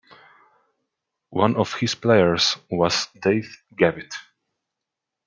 One of his players was Dave Gavitt.